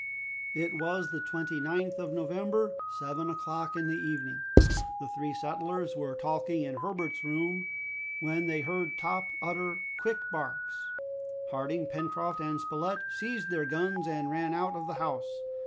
It was the 29th of November, seven o'clock in the evening. The three settlers were talking in Herbert's room, when they heard Top utter quick barks. Harding, Pencroft, and Spilett seized their guns and ran out of the house.